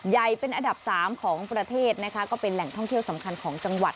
ใหญ่เป็นอันดับสามของประเทศนะคะก็เป็นแหล่งท่องเที่ยวสำคัญของจังหวัด